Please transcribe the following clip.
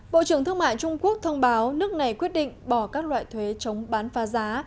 bộ trưởng thương mại trung quốc thông báo nước này quyết định bỏ các loại thuế chống bán phá giá